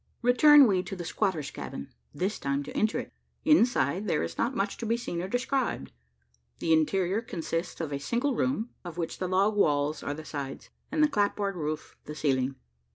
Return we to the squatter's cabin this time to enter it. Inside, there is not much to be seen or described. The interior consists of a single room of which the log walls are the sides, and the clapboard roof the ceiling.